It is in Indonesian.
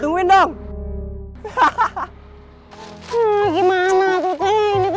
sial banget sih nasib